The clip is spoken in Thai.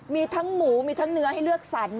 มีทั้งหมูมีทั้งเนื้อให้เลือกสรร